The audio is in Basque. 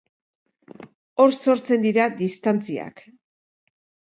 Hor sortzen dira distantziak.